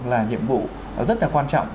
là nhiệm vụ rất là quan trọng